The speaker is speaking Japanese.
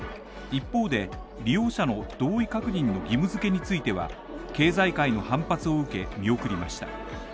一方で、利用者の同意確認の義務づけについては、経済界の反発を受け見送りました。